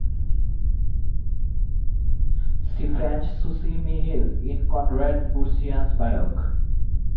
See Franz Susemihl in Conrad Bursian's "Biog.